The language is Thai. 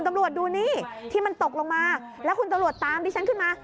ตำรวจดูนี่ที่มันตกลงมาแล้วคุณตำรวจตามดิฉันขึ้นมา